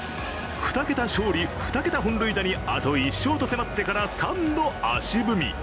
２桁勝利、２桁本塁打にあと１勝と迫ってから３度足踏み。